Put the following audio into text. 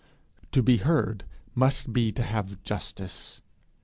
To be heard must be to have justice.